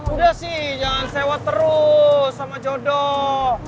udah sih jangan sewa terus sama jodoh